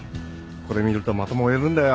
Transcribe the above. これ見るとまた燃えるんだよ